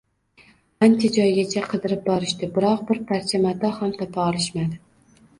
Ancha joygacha qidirib borishdi, biroq bir parcha mato ham topa olishmadi